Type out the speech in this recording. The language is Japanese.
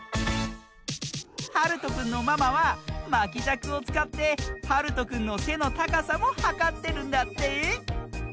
はるとくんのママはまきじゃくをつかってはるとくんのせのたかさもはかってるんだって。